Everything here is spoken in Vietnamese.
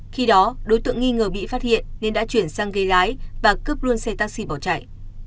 khi đó đối tượng nghi ngờ bị phát hiện nên đã chuyển sang gây lái và cướp luôn xe taxi bỏ chạy